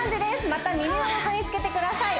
また耳の横につけてください